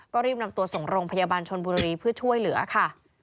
ก็รีบนำตัวส่งโรงพยาบาลชนบุรีเพื่อช่วยเหลือค่ะ